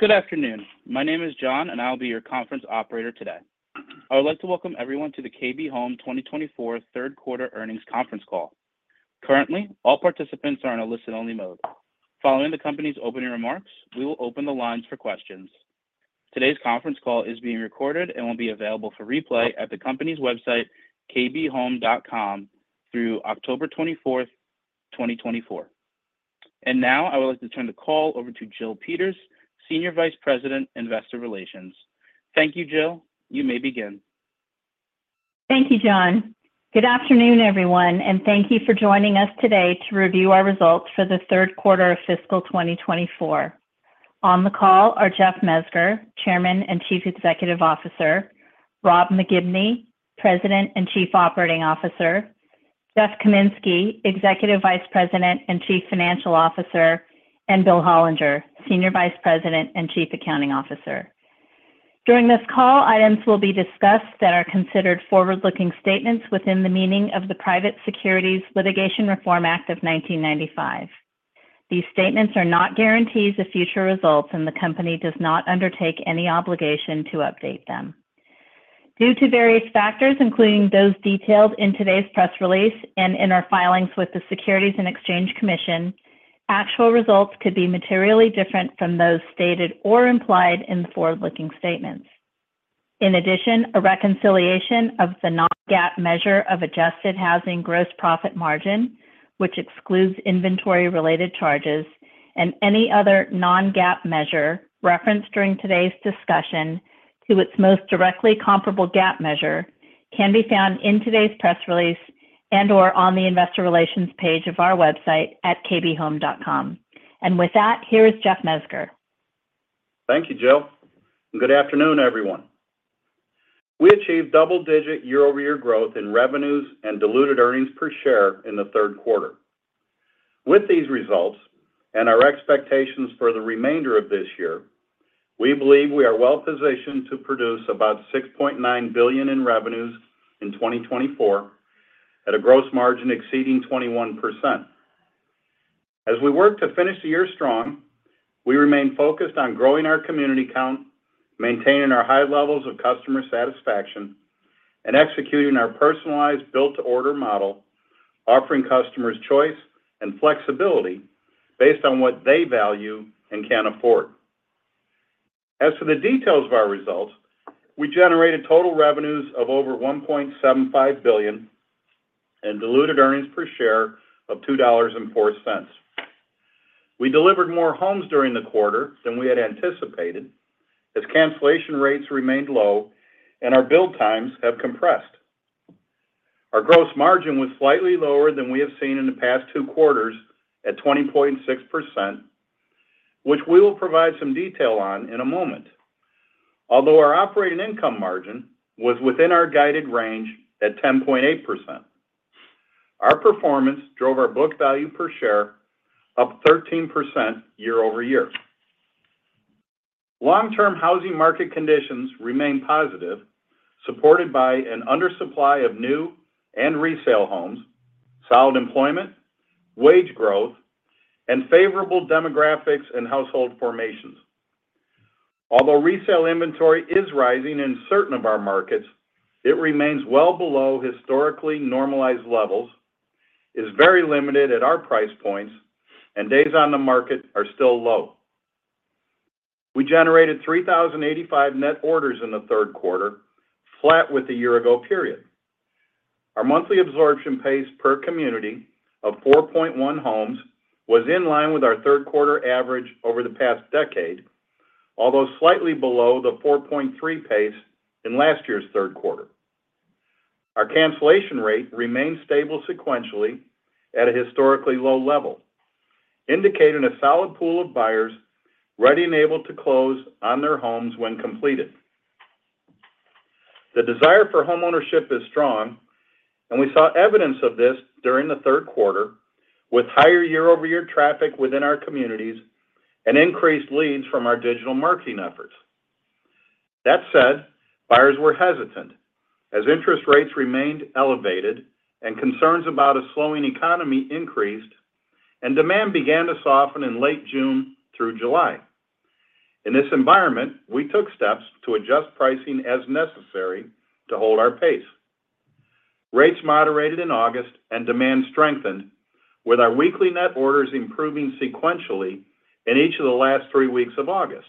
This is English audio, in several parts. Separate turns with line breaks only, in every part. Good afternoon. My name is John, and I'll be your conference operator today. I would like to welcome everyone to the KB Home twenty twenty-four third quarter earnings conference call. Currently, all participants are in a listen-only mode. Following the company's opening remarks, we will open the lines for questions. Today's conference call is being recorded and will be available for replay at the company's website, kbhome.com, through October twenty-fourth, twenty twenty-four. And now I would like to turn the call over to Jill Peters, Senior Vice President, Investor Relations. Thank you, Jill. You may begin.
Thank you, John. Good afternoon, everyone, and thank you for joining us today to review our results for the third quarter of fiscal twenty twenty-four. On the call are Jeff Mezger, Chairman and Chief Executive Officer, Rob McGibney, President and Chief Operating Officer, Jeff Kaminski, Executive Vice President and Chief Financial Officer, and Bill Hollinger, Senior Vice President and Chief Accounting Officer. During this call, items will be discussed that are considered forward-looking statements within the meaning of the Private Securities Litigation Reform Act of 1995. These statements are not guarantees of future results, and the company does not undertake any obligation to update them. Due to various factors, including those detailed in today's press release and in our filings with the Securities and Exchange Commission, actual results could be materially different from those stated or implied in the forward-looking statements. In addition, a reconciliation of the non-GAAP measure of adjusted housing gross profit margin, which excludes inventory-related charges and any other non-GAAP measure referenced during today's discussion to its most directly comparable GAAP measure, can be found in today's press release and/or on the Investor Relations page of our website at kbhome.com, and with that, here is Jeff Mezger.
Thank you, Jill. Good afternoon, everyone. We achieved double-digit year-over-year growth in revenues and diluted earnings per share in the third quarter. With these results and our expectations for the remainder of this year, we believe we are well positioned to produce about $6.9 billion in revenues in 2024 at a gross margin exceeding 21%. As we work to finish the year strong, we remain focused on growing our community count, maintaining our high levels of customer satisfaction, and executing our personalized Built-to-Order model, offering customers choice and flexibility based on what they value and can afford. As for the details of our results, we generated total revenues of over $1.75 billion and diluted earnings per share of $2.04. We delivered more homes during the quarter than we had anticipated, as cancellation rates remained low and our build times have compressed. Our gross margin was slightly lower than we have seen in the past two quarters at 20.6%, which we will provide some detail on in a moment. Although our operating income margin was within our guided range at 10.8%, our performance drove our book value per share up 13% year-over-year. Long-term housing market conditions remain positive, supported by an undersupply of new and resale homes, solid employment, wage growth, and favorable demographics and household formations. Although resale inventory is rising in certain of our markets, it remains well below historically normalized levels, is very limited at our price points, and days on the market are still low. We generated 3,085 net orders in the third quarter, flat with the year-ago period. Our monthly absorption pace per community of 4.1 homes was in line with our third quarter average over the past decade, although slightly below the 4.3 pace in last year's third quarter. Our cancellation rate remained stable sequentially at a historically low level, indicating a solid pool of buyers ready and able to close on their homes when completed. The desire for homeownership is strong, and we saw evidence of this during the third quarter with higher year-over-year traffic within our communities and increased leads from our digital marketing efforts. That said, buyers were hesitant as interest rates remained elevated and concerns about a slowing economy increased, and demand began to soften in late June through July. In this environment, we took steps to adjust pricing as necessary to hold our pace. Rates moderated in August and demand strengthened, with our weekly net orders improving sequentially in each of the last three weeks of August.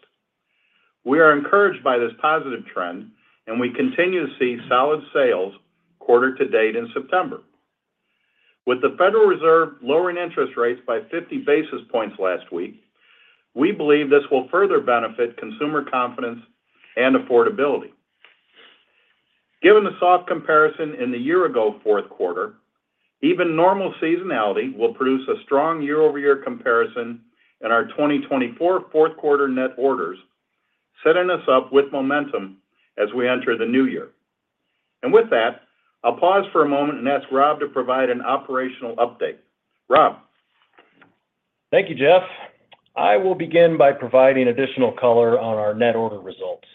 We are encouraged by this positive trend, and we continue to see solid sales quarter to date in September. With the Federal Reserve lowering interest rates by fifty basis points last week, we believe this will further benefit consumer confidence and affordability. Given the soft comparison in the year-ago fourth quarter, even normal seasonality will produce a strong year-over-year comparison in our twenty twenty-four fourth quarter net orders, setting us up with momentum as we enter the new year. And with that, I'll pause for a moment and ask Rob to provide an operational update. Rob?
Thank you, Jeff. I will begin by providing additional color on our net order results.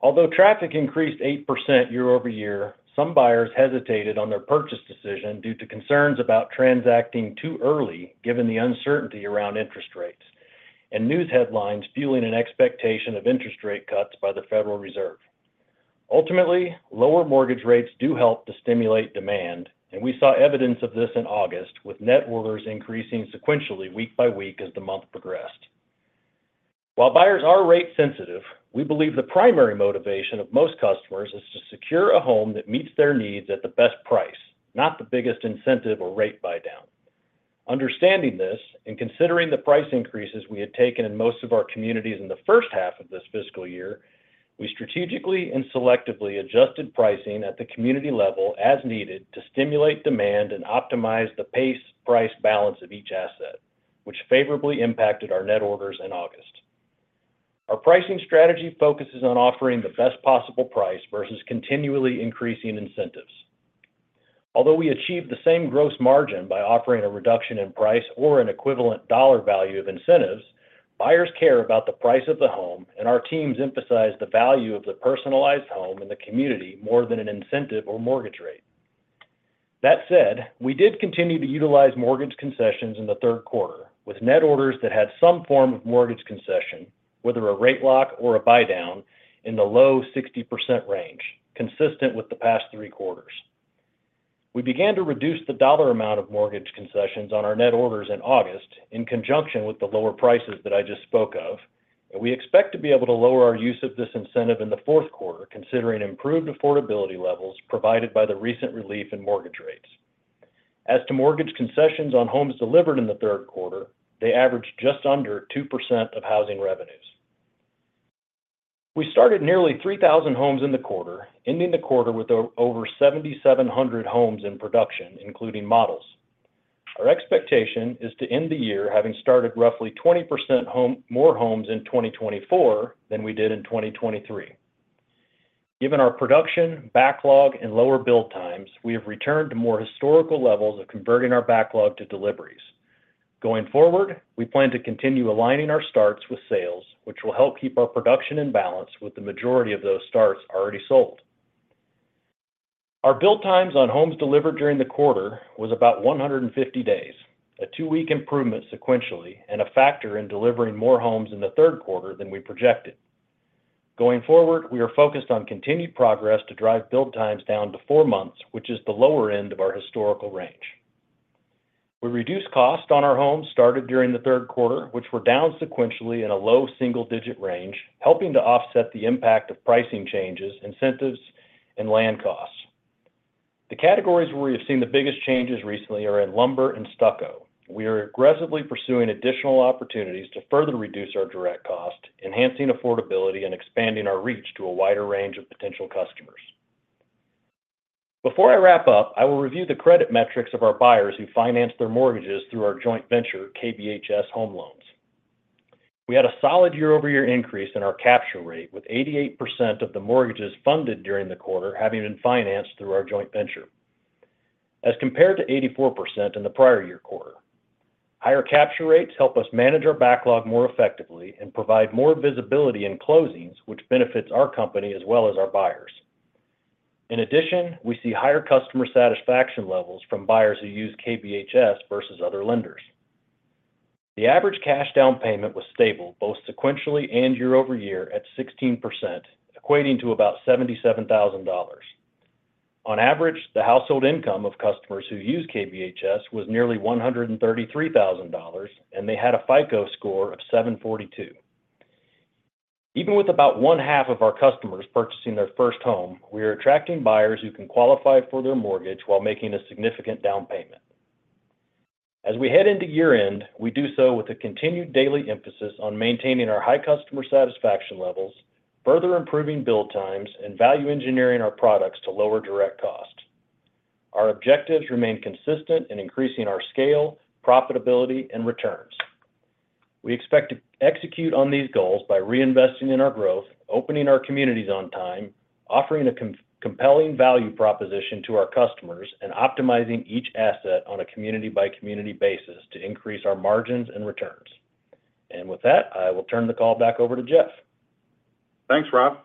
Although traffic increased 8% year-over-year, some buyers hesitated on their purchase decision due to concerns about transacting too early, given the uncertainty around interest rates, and news headlines fueling an expectation of interest rate cuts by the Federal Reserve. Ultimately, lower mortgage rates do help to stimulate demand, and we saw evidence of this in August, with net orders increasing sequentially week by week as the month progressed. While buyers are rate sensitive, we believe the primary motivation of most customers is to secure a home that meets their needs at the best price, not the biggest incentive or rate buydown. Understanding this, and considering the price increases we had taken in most of our communities in the first half of this fiscal year, we strategically and selectively adjusted pricing at the community level as needed to stimulate demand and optimize the pace price balance of each asset, which favorably impacted our net orders in August. Our pricing strategy focuses on offering the best possible price versus continually increasing incentives. Although we achieved the same gross margin by offering a reduction in price or an equivalent dollar value of incentives, buyers care about the price of the home, and our teams emphasize the value of the personalized home and the community more than an incentive or mortgage rate. That said, we did continue to utilize mortgage concessions in the third quarter, with net orders that had some form of mortgage concession, whether a rate lock or a buydown, in the low 60% range, consistent with the past three quarters. We began to reduce the dollar amount of mortgage concessions on our net orders in August, in conjunction with the lower prices that I just spoke of, and we expect to be able to lower our use of this incentive in the fourth quarter, considering improved affordability levels provided by the recent relief in mortgage rates. As to mortgage concessions on homes delivered in the third quarter, they averaged just under 2% of housing revenues. We started nearly 3,000 homes in the quarter, ending the quarter with over 7,700 homes in production, including models. Our expectation is to end the year having started roughly 20% more homes in 2024 than we did in 2023. Given our production, backlog, and lower build times, we have returned to more historical levels of converting our backlog to deliveries. Going forward, we plan to continue aligning our starts with sales, which will help keep our production in balance with the majority of those starts already sold. Our build times on homes delivered during the quarter was about 150 days, a two-week improvement sequentially and a factor in delivering more homes in the third quarter than we projected. Going forward, we are focused on continued progress to drive build times down to four months, which is the lower end of our historical range. We reduced costs on our homes started during the third quarter, which were down sequentially in a low single-digit range, helping to offset the impact of pricing changes, incentives, and land costs. The categories where we have seen the biggest changes recently are in lumber and stucco. We are aggressively pursuing additional opportunities to further reduce our direct cost, enhancing affordability and expanding our reach to a wider range of potential customers. Before I wrap up, I will review the credit metrics of our buyers who finance their mortgages through our joint venture, KBHS Home Loans. We had a solid year-over-year increase in our capture rate, with 88% of the mortgages funded during the quarter having been financed through our joint venture, as compared to 84% in the prior year quarter. Higher capture rates help us manage our backlog more effectively and provide more visibility in closings, which benefits our company as well as our buyers. In addition, we see higher customer satisfaction levels from buyers who use KBHS versus other lenders. The average cash down payment was stable, both sequentially and year-over-year, at 16%, equating to about $77,000. On average, the household income of customers who use KBHS was nearly $133,000, and they had a FICO score of 742. Even with about one half of our customers purchasing their first home, we are attracting buyers who can qualify for their mortgage while making a significant down payment. As we head into year-end, we do so with a continued daily emphasis on maintaining our high customer satisfaction levels, further improving build times, and value engineering our products to lower direct costs. Our objectives remain consistent in increasing our scale, profitability, and returns. We expect to execute on these goals by reinvesting in our growth, opening our communities on time, offering a compelling value proposition to our customers, and optimizing each asset on a community-by-community basis to increase our margins and returns. And with that, I will turn the call back over to Jeff.
Thanks, Rob.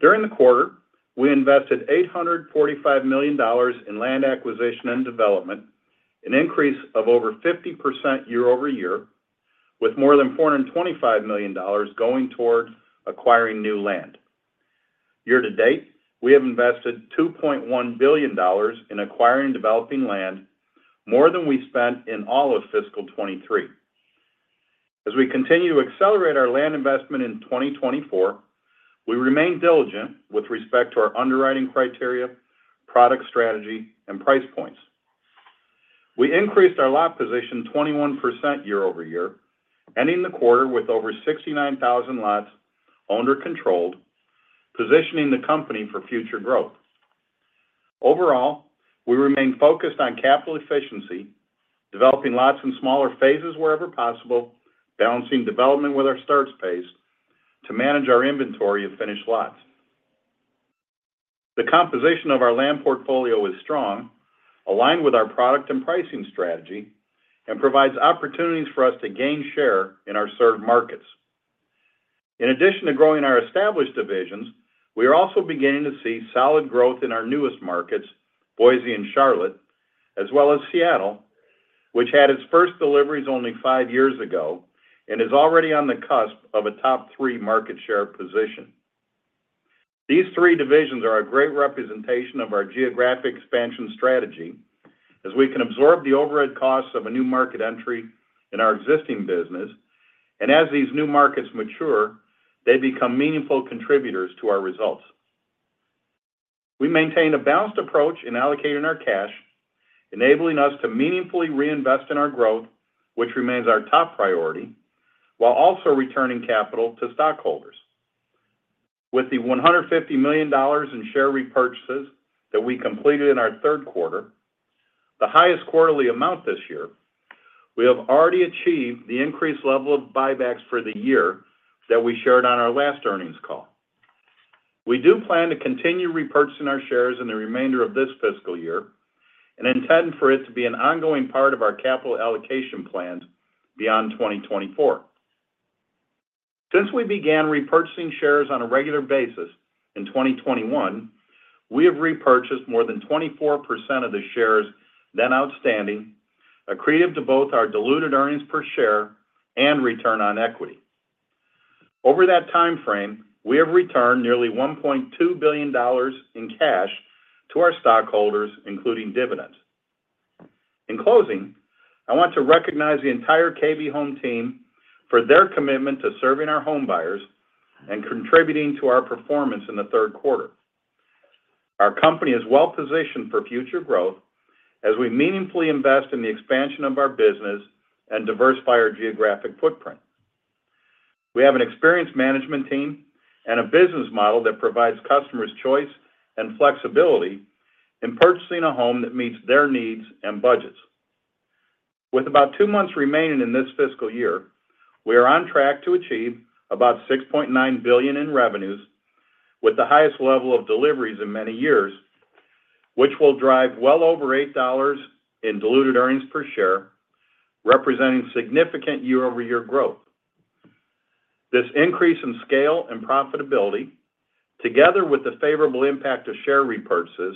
During the quarter, we invested $845 million in land acquisition and development, an increase of over 50% year-over-year, with more than $425 million going toward acquiring new land. Year to date, we have invested $2.1 billion in acquiring and developing land, more than we spent in all of fiscal 2023. As we continue to accelerate our land investment in 2024, we remain diligent with respect to our underwriting criteria, product strategy, and price points. We increased our lot position 21% year-over-year, ending the quarter with over 69,000 lots owned or controlled, positioning the company for future growth. Overall, we remain focused on capital efficiency, developing lots in smaller phases wherever possible, balancing development with our starts pace to manage our inventory of finished lots. The composition of our land portfolio is strong, aligned with our product and pricing strategy, and provides opportunities for us to gain share in our served markets. In addition to growing our established divisions, we are also beginning to see solid growth in our newest markets, Boise and Charlotte, as well as Seattle, which had its first deliveries only five years ago and is already on the cusp of a top three market share position. These three divisions are a great representation of our geographic expansion strategy, as we can absorb the overhead costs of a new market entry in our existing business, and as these new markets mature, they become meaningful contributors to our results. We maintain a balanced approach in allocating our cash, enabling us to meaningfully reinvest in our growth, which remains our top priority, while also returning capital to stockholders. With the $150 million in share repurchases that we completed in our third quarter, the highest quarterly amount this year, we have already achieved the increased level of buybacks for the year that we shared on our last earnings call. We do plan to continue repurchasing our shares in the remainder of this fiscal year and intend for it to be an ongoing part of our capital allocation plans beyond 2024. Since we began repurchasing shares on a regular basis in 2021, we have repurchased more than 24% of the shares then outstanding, accretive to both our diluted earnings per share and return on equity. Over that time frame, we have returned nearly $1.2 billion in cash to our stockholders, including dividends. In closing, I want to recognize the entire KB Home team for their commitment to serving our home buyers and contributing to our performance in the third quarter. Our company is well positioned for future growth as we meaningfully invest in the expansion of our business and diversify our geographic footprint. We have an experienced management team and a business model that provides customers choice and flexibility in purchasing a home that meets their needs and budgets. With about two months remaining in this fiscal year, we are on track to achieve about $6.9 billion in revenues, with the highest level of deliveries in many years, which will drive well over $8 in diluted earnings per share, representing significant year-over-year growth. This increase in scale and profitability, together with the favorable impact of share repurchases,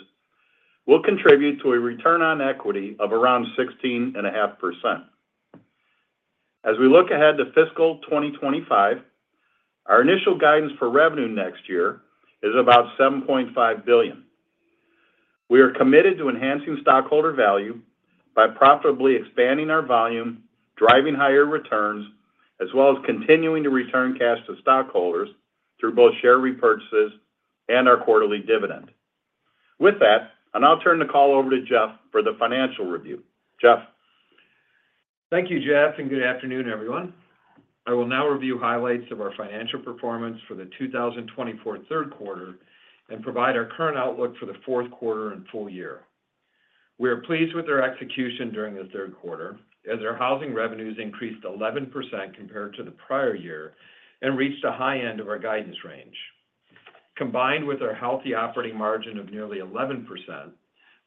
will contribute to a return on equity of around 16.5%. As we look ahead to fiscal 2025, our initial guidance for revenue next year is about $7.5 billion. We are committed to enhancing stockholder value by profitably expanding our volume, driving higher returns, as well as continuing to return cash to stockholders through both share repurchases and our quarterly dividend. With that, I'll now turn the call over to Jeff for the financial review. Jeff?
Thank you, Jeff, and good afternoon, everyone. I will now review highlights of our financial performance for the 2024 third quarter and provide our current outlook for the fourth quarter and full year. We are pleased with our execution during the third quarter, as our housing revenues increased 11% compared to the prior year and reached the high end of our guidance range. Combined with our healthy operating margin of nearly 11%,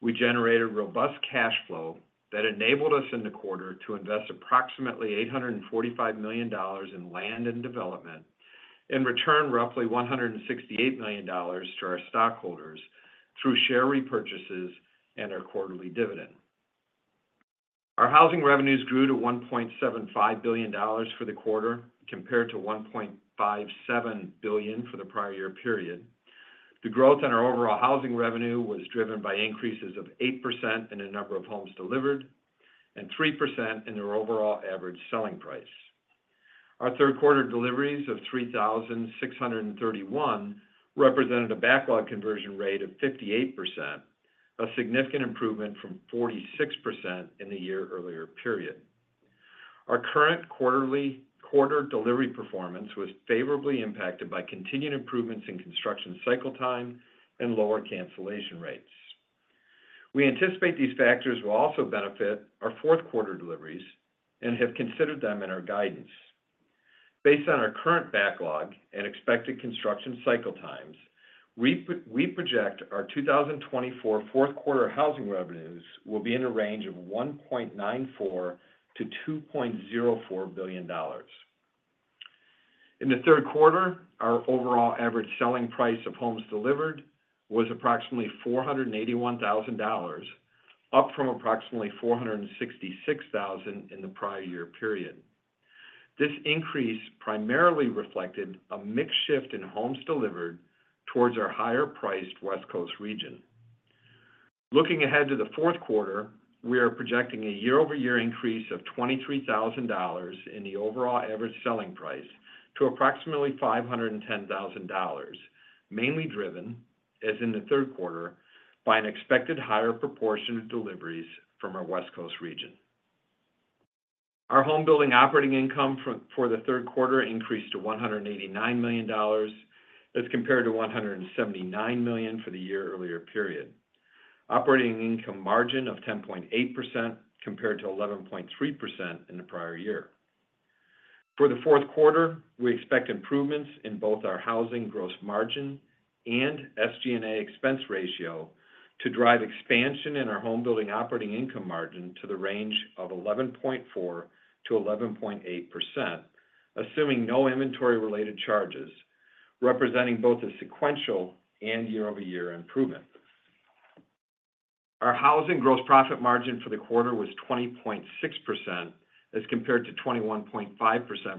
we generated robust cash flow that enabled us in the quarter to invest approximately $845 million in land and development and return roughly $168 million to our stockholders through share repurchases and our quarterly dividend. Our housing revenues grew to $1.75 billion for the quarter, compared to $1.57 billion for the prior year period. The growth in our overall housing revenue was driven by increases of 8% in the number of homes delivered and 3% in their overall average selling price. Our third quarter deliveries of 3,631 represented a backlog conversion rate of 58%, a significant improvement from 46% in the year earlier period. Our current quarterly delivery performance was favorably impacted by continued improvements in construction cycle time and lower cancellation rates. We anticipate these factors will also benefit our fourth quarter deliveries and have considered them in our guidance. Based on our current backlog and expected construction cycle times, we project our 2024 fourth quarter housing revenues will be in a range of $1.94-$2.04 billion. In the third quarter, our overall average selling price of homes delivered was approximately $481,000, up from approximately $466,000 in the prior year period. This increase primarily reflected a mix shift in homes delivered towards our higher priced West Coast region. Looking ahead to the fourth quarter, we are projecting a year-over-year increase of $23,000 in the overall average selling price to approximately $510,000, mainly driven, as in the third quarter, by an expected higher proportion of deliveries from our West Coast region. Our home building operating income for the third quarter increased to $189 million as compared to $179 million for the year earlier period. Operating income margin of 10.8% compared to 11.3% in the prior year. For the fourth quarter, we expect improvements in both our housing gross margin and SG&A expense ratio to drive expansion in our home building operating income margin to the range of 11.4%-11.8%, assuming no inventory-related charges, representing both a sequential and year-over-year improvement. Our housing gross profit margin for the quarter was 20.6%, as compared to 21.5%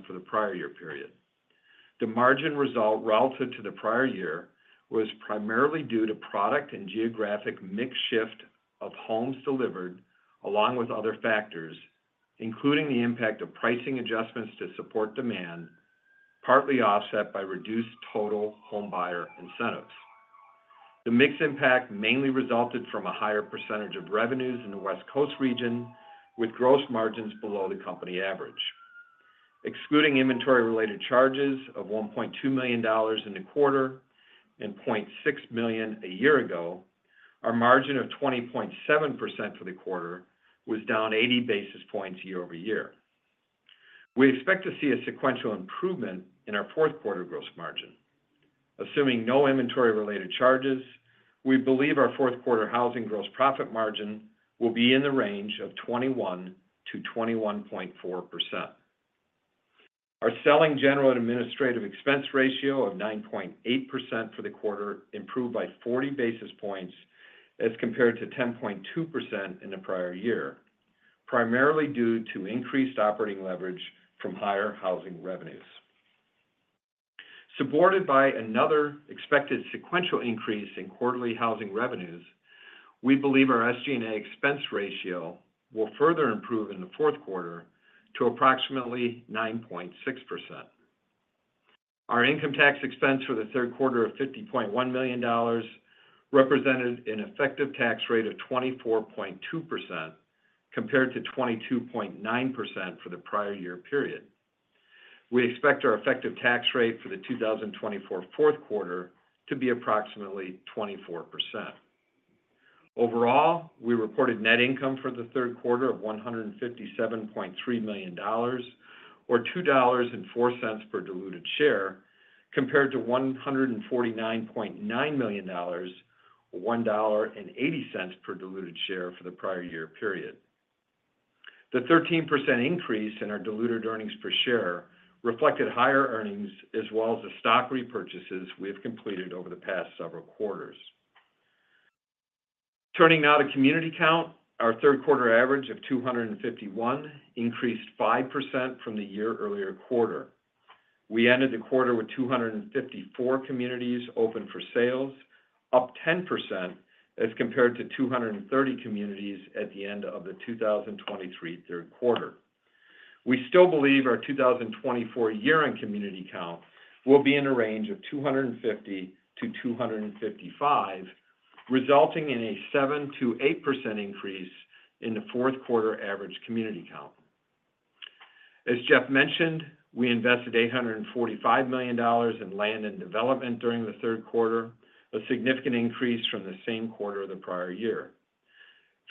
for the prior year period. The margin result relative to the prior year was primarily due to product and geographic mix shift of homes delivered, along with other factors, including the impact of pricing adjustments to support demand, partly offset by reduced total home buyer incentives. The mix impact mainly resulted from a higher percentage of revenues in the West Coast region, with gross margins below the company average. Excluding inventory-related charges of $1.2 million in the quarter and $0.6 million a year ago, our margin of 20.7% for the quarter was down 80 basis points year-over-year. We expect to see a sequential improvement in our fourth quarter gross margin. Assuming no inventory-related charges, we believe our fourth quarter housing gross profit margin will be in the range of 21% to 21.4%. Our selling general and administrative expense ratio of 9.8% for the quarter improved by 40 basis points, as compared to 10.2% in the prior year, primarily due to increased operating leverage from higher housing revenues. Supported by another expected sequential increase in quarterly housing revenues, we believe our SG&A expense ratio will further improve in the fourth quarter to approximately 9.6%. Our income tax expense for the third quarter of $50.1 million represented an effective tax rate of 24.2%, compared to 22.9% for the prior year period. We expect our effective tax rate for the 2024 fourth quarter to be approximately 24%. Overall, we reported net income for the third quarter of $157.3 million, or $2.04 per diluted share, compared to $149.9 million, $1.80 per diluted share for the prior year period. The 13% increase in our diluted earnings per share reflected higher earnings, as well as the stock repurchases we have completed over the past several quarters. Turning now to community count, our third quarter average of 251 increased 5% from the year-earlier quarter. We ended the quarter with 254 communities open for sales, up 10% as compared to 230 communities at the end of the 2023 third quarter. We still believe our 2024 year-end community count will be in a range of 250 to 255, resulting in a 7% to 8% increase in the fourth quarter average community count. As Jeff mentioned, we invested $845 million in land and development during the third quarter, a significant increase from the same quarter of the prior year.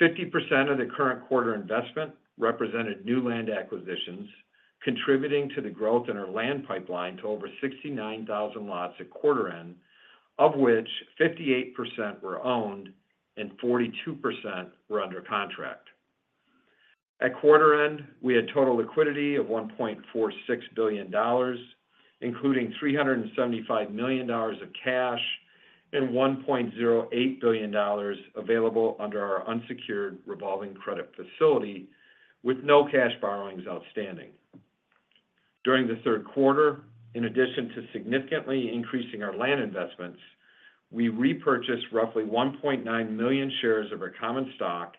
50% of the current quarter investment represented new land acquisitions, contributing to the growth in our land pipeline to over 69,000 lots at quarter end, of which 58% were owned and 42% were under contract. At quarter end, we had total liquidity of $1.46 billion, including $375 million of cash and $1.08 billion available under our unsecured revolving credit facility, with no cash borrowings outstanding. During the third quarter, in addition to significantly increasing our land investments, we repurchased roughly 1.9 million shares of our common stock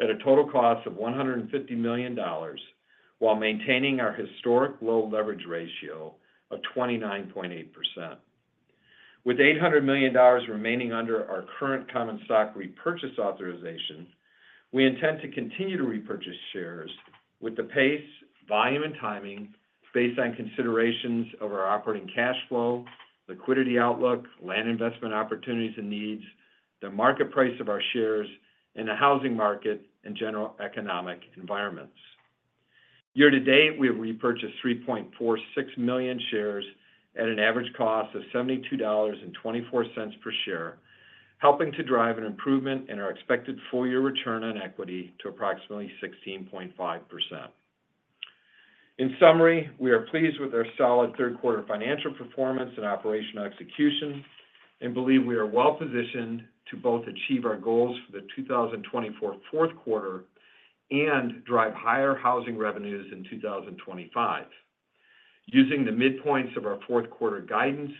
at a total cost of $150 million, while maintaining our historic low leverage ratio of 29.8%. With $800 million remaining under our current common stock repurchase authorization, we intend to continue to repurchase shares with the pace, volume, and timing based on considerations of our operating cash flow, liquidity outlook, land investment opportunities and needs, the market price of our shares, and the housing market and general economic environments. Year to date, we have repurchased 3.46 million shares at an average cost of $72.24 per share, helping to drive an improvement in our expected full-year return on equity to approximately 16.5%. In summary, we are pleased with our solid third quarter financial performance and operational execution, and believe we are well positioned to both achieve our goals for the 2024 fourth quarter and drive higher housing revenues in 2025. Using the midpoints of our fourth quarter guidance,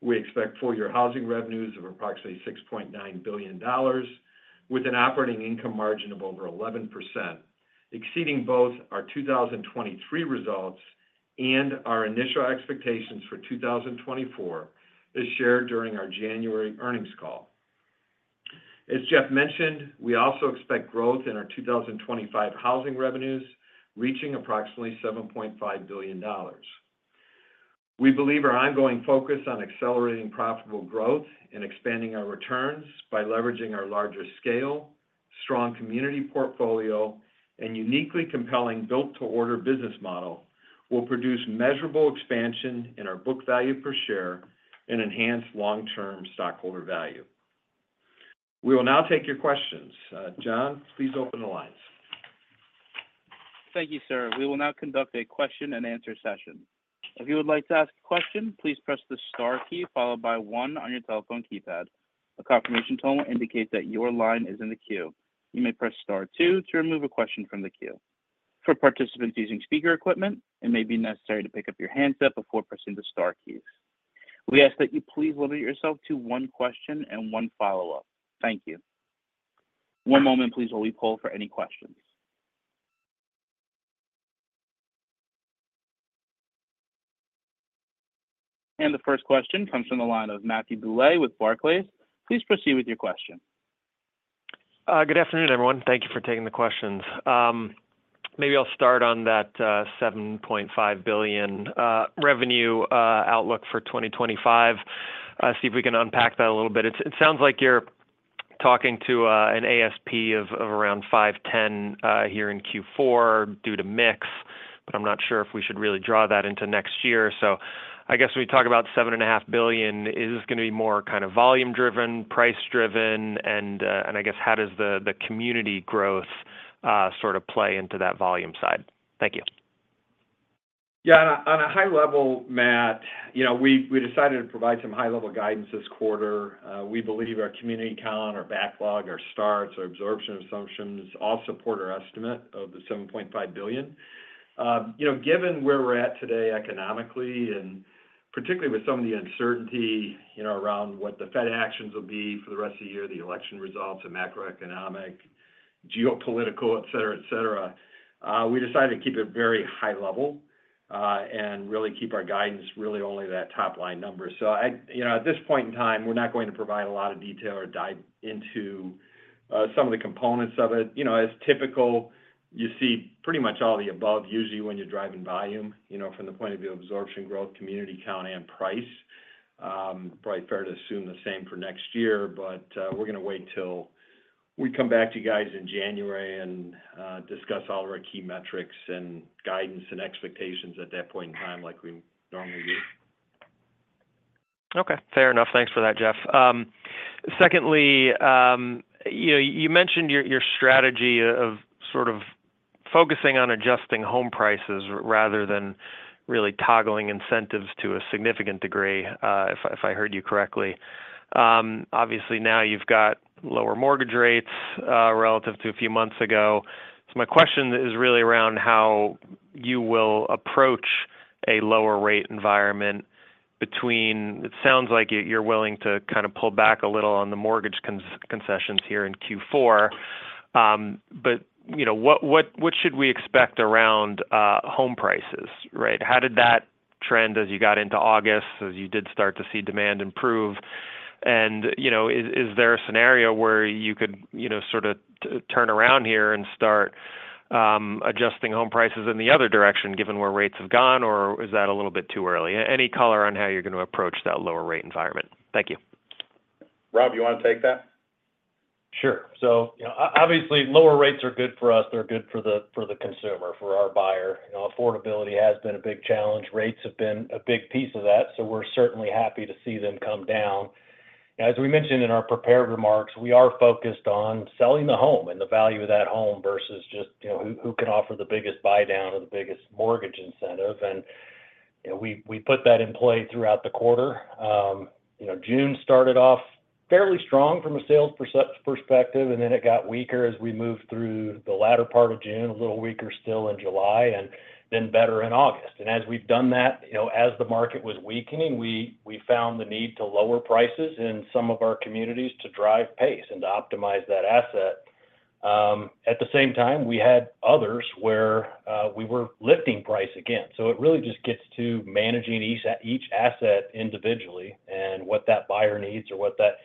we expect full-year housing revenues of approximately $6.9 billion, with an operating income margin of over 11%, exceeding both our 2023 results and our initial expectations for 2024, as shared during our January earnings call. As Jeff mentioned, we also expect growth in our 2025 housing revenues, reaching approximately $7.5 billion.... We believe our ongoing focus on accelerating profitable growth and expanding our returns by leveraging our larger scale, strong community portfolio, and uniquely compelling Built-to-Order business model will produce measurable expansion in our book value per share and enhance long-term stockholder value. We will now take your questions. John, please open the lines.
Thank you, sir. We will now conduct a question-and-answer session. If you would like to ask a question, please press the star key followed by one on your telephone keypad. A confirmation tone will indicate that your line is in the queue. You may press star two to remove a question from the queue. For participants using speaker equipment, it may be necessary to pick up your handset before pressing the star keys. We ask that you please limit yourself to one question and one follow-up. Thank you. One moment, please, while we poll for any questions. And the first question comes from the line of Matthew Bouley with Barclays. Please proceed with your question.
Good afternoon, everyone. Thank you for taking the questions. Maybe I'll start on that $7.5 billion revenue outlook for 2025. See if we can unpack that a little bit. It sounds like you're talking to an ASP of around 510 here in Q4 due to mix, but I'm not sure if we should really draw that into next year. So I guess we talk about $7.5 billion, is this going to be more kind of volume driven, price driven? And I guess how does the community growth sort of play into that volume side? Thank you.
Yeah. On a high level, Matt, you know, we decided to provide some high-level guidance this quarter. We believe our community count, our backlog, our starts, our absorption assumptions all support our estimate of the $7.5 billion. You know, given where we're at today economically, and particularly with some of the uncertainty, you know, around what the Fed actions will be for the rest of the year, the election results, and macroeconomic, geopolitical, et cetera, et cetera, we decided to keep it very high level, and really keep our guidance really only that top-line number. So I... You know, at this point in time, we're not going to provide a lot of detail or dive into some of the components of it. You know, as typical, you see pretty much all the above, usually when you're driving volume, you know, from the point of view of absorption, growth, community count, and price. Probably fair to assume the same for next year, but we're going to wait till we come back to you guys in January and discuss all of our key metrics and guidance and expectations at that point in time, like we normally do.
Okay, fair enough. Thanks for that, Jeff. Secondly, you know, you mentioned your strategy of sort of focusing on adjusting home prices rather than really toggling incentives to a significant degree, if I heard you correctly. Obviously, now you've got lower mortgage rates relative to a few months ago. So my question is really around how you will approach a lower rate environment. It sounds like you're willing to kind of pull back a little on the mortgage concessions here in Q4. But, you know, what should we expect around home prices, right? How did that trend as you got into August, as you did start to see demand improve? You know, is there a scenario where you could, you know, sort of turn around here and start adjusting home prices in the other direction, given where rates have gone, or is that a little bit too early? Any color on how you're going to approach that lower rate environment? Thank you.
Rob, you want to take that?
Sure. So, you know, obviously, lower rates are good for us. They're good for the, for the consumer, for our buyer. You know, affordability has been a big challenge. Rates have been a big piece of that, so we're certainly happy to see them come down. As we mentioned in our prepared remarks, we are focused on selling the home and the value of that home versus just, you know, who, who can offer the biggest buydown or the biggest mortgage incentive, and, you know, we, we put that in play throughout the quarter. You know, June started off fairly strong from a sales perspective, and then it got weaker as we moved through the latter part of June, a little weaker still in July, and then better in August. And as we've done that, you know, as the market was weakening, we found the need to lower prices in some of our communities to drive pace and to optimize that asset. At the same time, we had others where we were lifting price again. So it really just gets to managing each asset individually and what that buyer needs or what that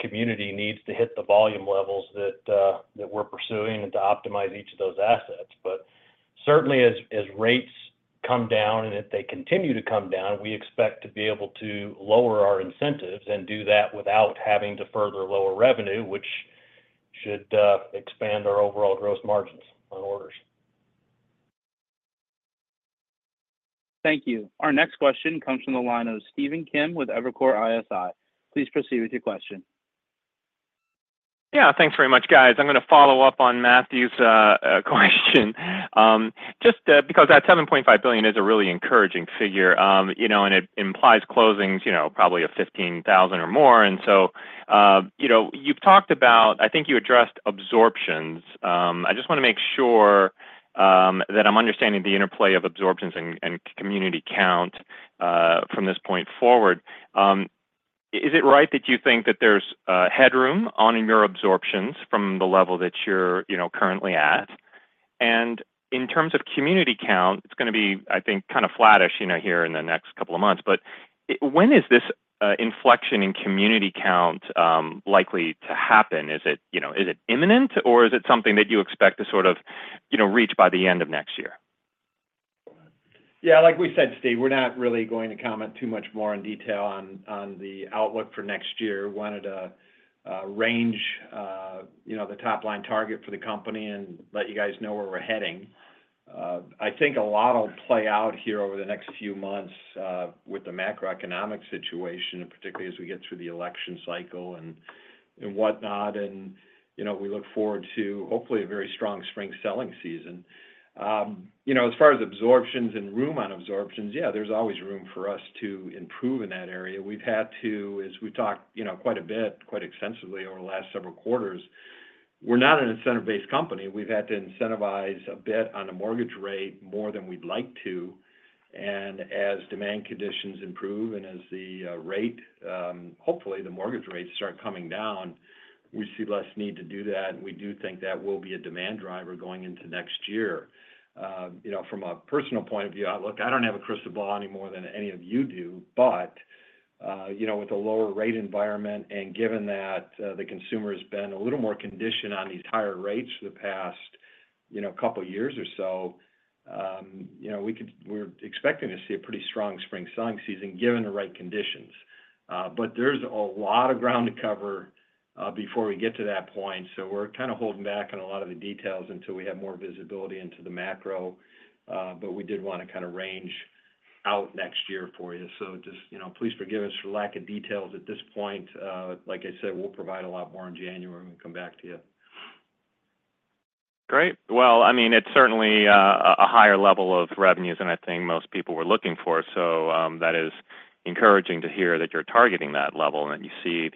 community needs to hit the volume levels that we're pursuing and to optimize each of those assets. But certainly, as rates come down, and if they continue to come down, we expect to be able to lower our incentives and do that without having to further lower revenue, which should expand our overall gross margins on orders.
Thank you. Our next question comes from the line of Stephen Kim with Evercore ISI. Please proceed with your question.
Yeah, thanks very much, guys. I'm going to follow up on Matthew's question. Just, because that $7.5 billion is a really encouraging figure, you know, and it implies closings, you know, probably of 15,000 or more. And so, you know, you've talked about... I think you addressed absorptions. I just want to make sure, that I'm understanding the interplay of absorptions and, and community count, from this point forward. Is it right that you think that there's, headroom on your absorptions from the level that you're, you know, currently at? And in terms of community count, it's going to be, I think, kind of flattish, you know, here in the next couple of months. But when is this, inflection in community count, likely to happen? Is it, you know, is it imminent, or is it something that you expect to sort of... you know, reach by the end of next year?
Yeah, like we said, Steve, we're not really going to comment too much more in detail on the outlook for next year. Wanted to range, you know, the top-line target for the company and let you guys know where we're heading. I think a lot will play out here over the next few months with the macroeconomic situation, and particularly as we get through the election cycle and whatnot, and, you know, we look forward to hopefully a very strong spring selling season. You know, as far as absorptions and room on absorptions, yeah, there's always room for us to improve in that area. We've had to, as we talked, you know, quite a bit, quite extensively over the last several quarters, we're not an incentive-based company. We've had to incentivize a bit on the mortgage rate more than we'd like to. As demand conditions improve and as the rate, hopefully, the mortgage rates start coming down, we see less need to do that, and we do think that will be a demand driver going into next year. You know, from a personal point of view, outlook, I don't have a crystal ball any more than any of you do, but you know, with a lower rate environment and given that the consumer has been a little more conditioned on these higher rates for the past you know, couple of years or so, you know, we're expecting to see a pretty strong spring selling season, given the right conditions. But there's a lot of ground to cover before we get to that point, so we're kind of holding back on a lot of the details until we have more visibility into the macro. But we did want to kind of range out next year for you. So just, you know, please forgive us for lack of details at this point. Like I said, we'll provide a lot more in January and come back to you.
Great. Well, I mean, it's certainly a higher level of revenues than I think most people were looking for, so, that is encouraging to hear that you're targeting that level and that you see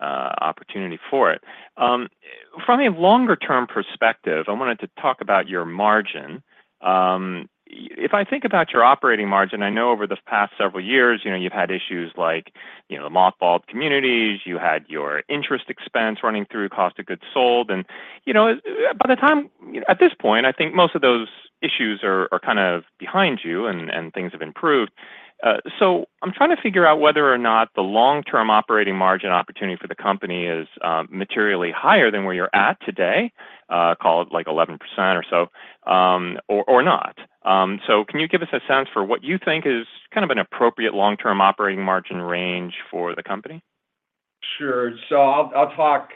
the internal opportunity for it. From a longer-term perspective, I wanted to talk about your margin. If I think about your operating margin, I know over the past several years, you know, you've had issues like, you know, mothballed communities, you had your interest expense running through cost of goods sold, and, you know, at this point, I think most of those issues are kind of behind you and things have improved. So I'm trying to figure out whether or not the long-term operating margin opportunity for the company is materially higher than where you're at today, call it, like, 11% or so, or not. So can you give us a sense for what you think is kind of an appropriate long-term operating margin range for the company?
Sure, so I'll talk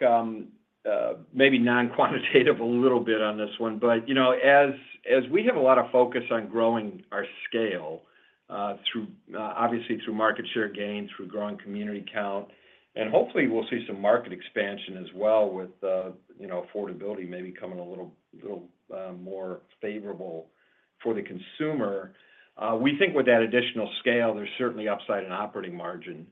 maybe non-quantitative a little bit on this one, but you know, as we have a lot of focus on growing our scale through obviously through market share gain, through growing community count, and hopefully we'll see some market expansion as well with you know, affordability maybe becoming a little more favorable for the consumer. We think with that additional scale, there's certainly upside in operating margin.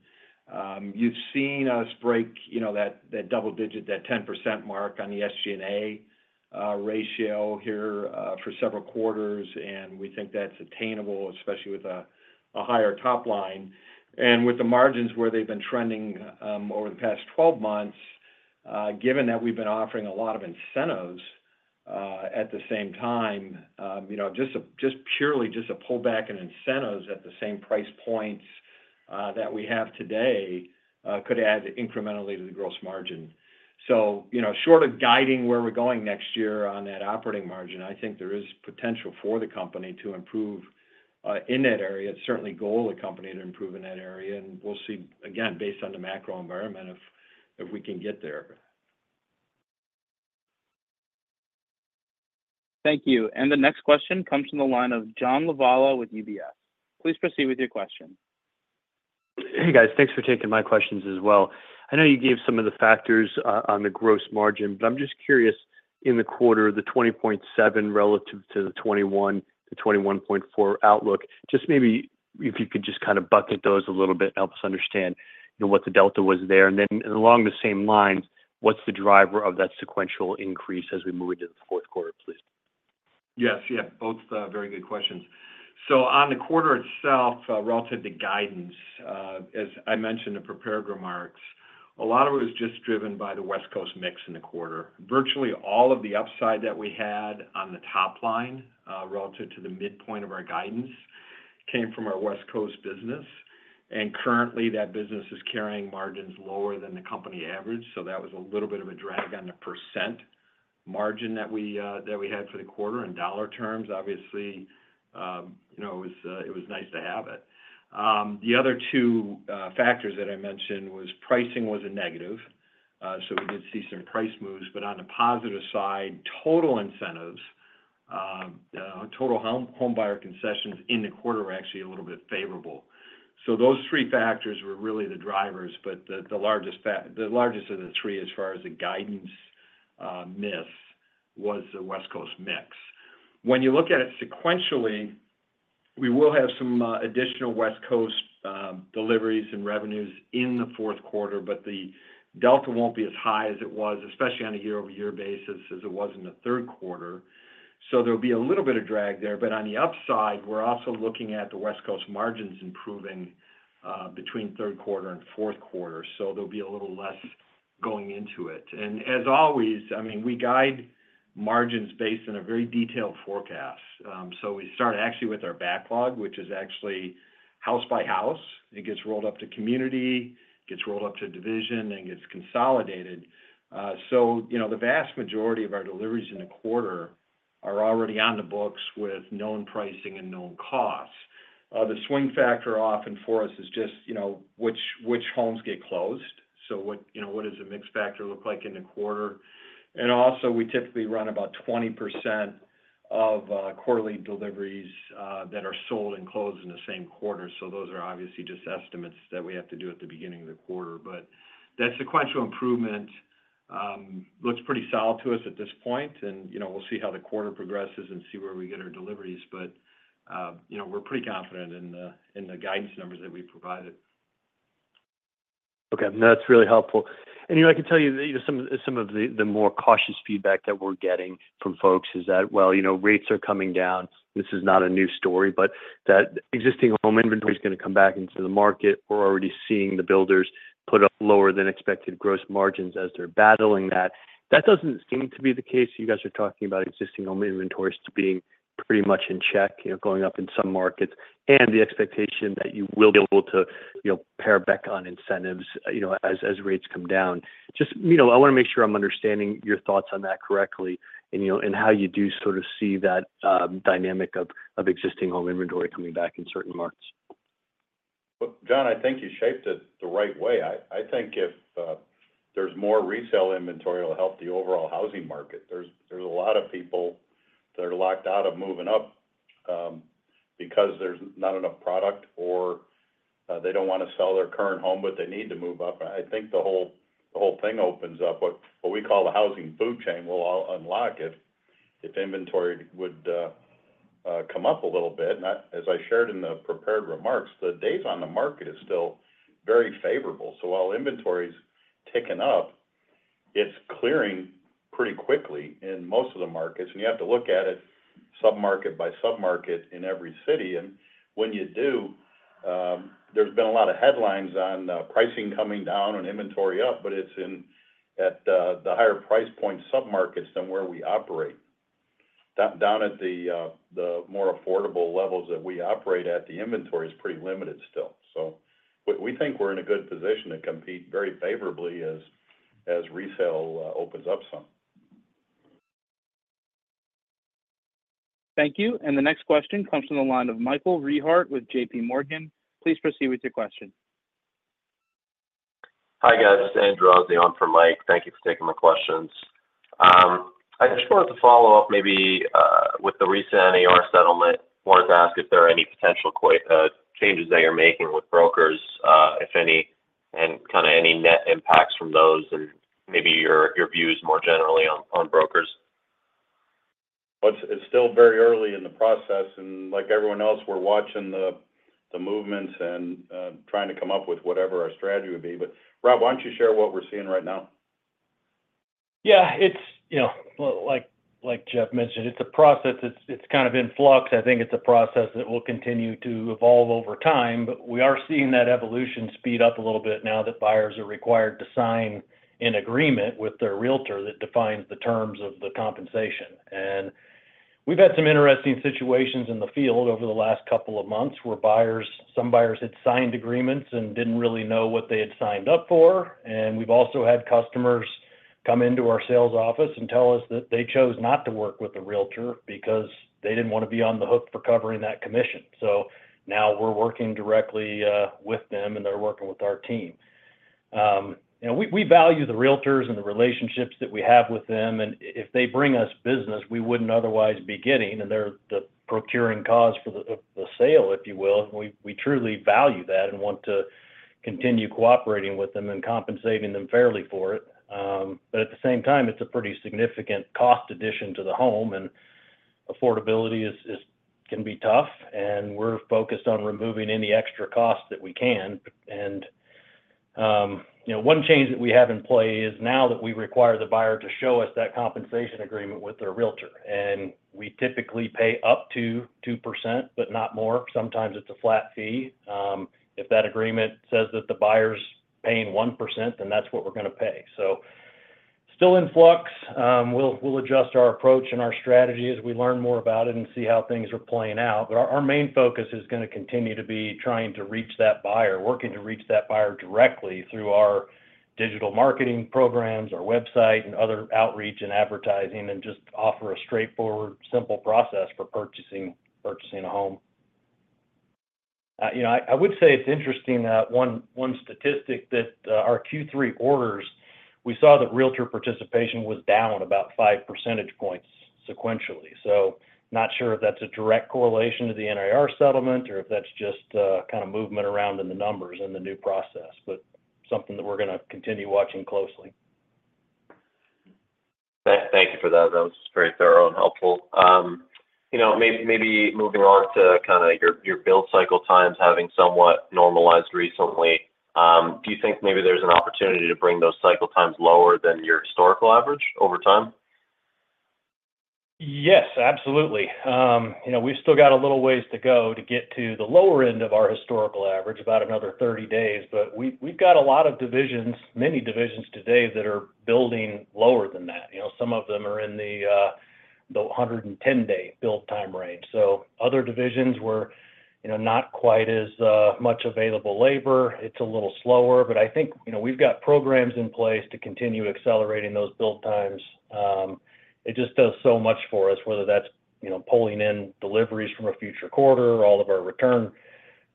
You've seen us break you know, that double digit, that 10% mark on the SG&A ratio here for several quarters, and we think that's attainable, especially with a higher top line. With the margins where they've been trending over the past 12 months, given that we've been offering a lot of incentives at the same time, you know, just purely a pullback in incentives at the same price points that we have today could add incrementally to the gross margin. So, you know, short of guiding where we're going next year on that operating margin, I think there is potential for the company to improve in that area. It's certainly goal of the company to improve in that area, and we'll see, again, based on the macro environment, if we can get there.
Thank you. And the next question comes from the line of John Lovallo with UBS. Please proceed with your question.
Hey, guys. Thanks for taking my questions as well. I know you gave some of the factors on the gross margin, but I'm just curious, in the quarter, the 20.7% relative to the 21% to 21.4% outlook, just maybe if you could just kind of bucket those a little bit, help us understand, you know, what the delta was there. And then along the same lines, what's the driver of that sequential increase as we move into the fourth quarter, please?
Yes, yeah, both, very good questions. So on the quarter itself, relative to guidance, as I mentioned in prepared remarks, a lot of it was just driven by the West Coast mix in the quarter. Virtually all of the upside that we had on the top line, relative to the midpoint of our guidance, came from our West Coast business, and currently, that business is carrying margins lower than the company average, so that was a little bit of a drag on the percent margin that we, that we had for the quarter. In dollar terms, obviously, you know, it was, it was nice to have it. The other two factors that I mentioned was pricing was a negative, so we did see some price moves, but on the positive side, total incentives, total homebuyer concessions in the quarter were actually a little bit favorable. So those three factors were really the drivers, but the largest of the three as far as the guidance miss was the West Coast mix. When you look at it sequentially, we will have some additional West Coast deliveries and revenues in the fourth quarter, but the delta won't be as high as it was, especially on a year-over-year basis, as it was in the third quarter. So there'll be a little bit of drag there, but on the upside, we're also looking at the West Coast margins improving, between third quarter and fourth quarter, so there'll be a little less going into it. And as always, I mean, we guide margins based on a very detailed forecast. So we start actually with our backlog, which is actually house by house. It gets rolled up to community, gets rolled up to division, and gets consolidated. So, you know, the vast majority of our deliveries in a quarter are already on the books with known pricing and known costs.... the swing factor often for us is just, you know, which homes get closed. So what, you know, does the mix factor look like in the quarter? And also, we typically run about 20% of quarterly deliveries that are sold and closed in the same quarter. So those are obviously just estimates that we have to do at the beginning of the quarter. But that sequential improvement looks pretty solid to us at this point, and, you know, we'll see how the quarter progresses and see where we get our deliveries. But, you know, we're pretty confident in the guidance numbers that we provided.
Okay. No, that's really helpful. And, you know, I can tell you that, you know, some of the more cautious feedback that we're getting from folks is that, well, you know, rates are coming down. This is not a new story, but that existing home inventory is going to come back into the market. We're already seeing the builders post lower than expected gross margins as they're battling that. That doesn't seem to be the case. You guys are talking about existing home inventories still being pretty much in check, you know, going up in some markets, and the expectation that you will be able to, you know, pare back on incentives, you know, as rates come down. Just, you know, I want to make sure I'm understanding your thoughts on that correctly and, you know, and how you do sort of see that dynamic of existing home inventory coming back in certain markets.
Look, John, I think you shaped it the right way. I think if there's more resale inventory, it'll help the overall housing market. There's a lot of people that are locked out of moving up, because there's not enough product or they don't want to sell their current home, but they need to move up. I think the whole thing opens up. What we call the housing food chain will all unlock if inventory would come up a little bit. And as I shared in the prepared remarks, the days on the market is still very favorable. So while inventory is ticking up, it's clearing pretty quickly in most of the markets. And you have to look at it sub-market by sub-market in every city. And when you do, there's been a lot of headlines on pricing coming down and inventory up, but it's in the higher price point submarkets than where we operate. Down at the more affordable levels that we operate at, the inventory is pretty limited still. So we think we're in a good position to compete very favorably as resale opens up some.
Thank you. And the next question comes from the line of Michael Rehaut with J.P. Morgan. Please proceed with your question.
Hi, guys, this is Andrew on for Mike. Thank you for taking my questions. I just wanted to follow up maybe with the recent NAR settlement. Wanted to ask if there are any potential changes that you're making with brokers, if any, and kind of any net impacts from those, and maybe your views more generally on brokers.
It's still very early in the process, and like everyone else, we're watching the movements and trying to come up with whatever our strategy would be. But, Rob, why don't you share what we're seeing right now?
Yeah, it's, you know, like, like Jeff mentioned, it's a process. It's kind of in flux. I think it's a process that will continue to evolve over time, but we are seeing that evolution speed up a little bit now that buyers are required to sign an agreement with their Realtor that defines the terms of the compensation. And we've had some interesting situations in the field over the last couple of months, where buyers, some buyers had signed agreements and didn't really know what they had signed up for. And we've also had customers come into our sales office and tell us that they chose not to work with a Realtor because they didn't want to be on the hook for covering that commission. So now we're working directly with them, and they're working with our team. You know, we value the Realtors and the relationships that we have with them, and if they bring us business we wouldn't otherwise be getting, and they're the procuring cause for the sale, if you will, we truly value that and want to continue cooperating with them and compensating them fairly for it. But at the same time, it's a pretty significant cost addition to the home, and affordability can be tough, and we're focused on removing any extra costs that we can. You know, one change that we have in play is now that we require the buyer to show us that compensation agreement with their Realtor, and we typically pay up to 2%, but not more. Sometimes it's a flat fee. If that agreement says that the buyer's paying one percent, then that's what we're going to pay. So still in flux. We'll adjust our approach and our strategy as we learn more about it and see how things are playing out. But our main focus is going to continue to be trying to reach that buyer, working to reach that buyer directly through our digital marketing programs, our website, and other outreach and advertising, and just offer a straightforward, simple process for purchasing a home. You know, I would say it's interesting that one statistic that our Q3 orders, we saw that Realtor participation was down about five percentage points sequentially. So, not sure if that's a direct correlation to the NAR settlement or if that's just kind of movement around in the numbers in the new process, but something that we're going to continue watching closely.
Thank you for that. That was very thorough and helpful. You know, maybe moving on to kind of your build cycle times having somewhat normalized recently, do you think maybe there's an opportunity to bring those cycle times lower than your historical average over time?
Yes, absolutely. You know, we've still got a little ways to go to get to the lower end of our historical average, about another thirty days. But we've got a lot of divisions, many divisions today that are building lower than that. You know, some of them are in the 110-day build time range. So other divisions were, you know, not quite as much available labor. It's a little slower, but I think, you know, we've got programs in place to continue accelerating those build times. It just does so much for us, whether that's, you know, pulling in deliveries from a future quarter or all of our return on inventory